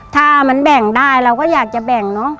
ถ้ามันแบ่งได้เราก็อยากจะแบ่งเนอะ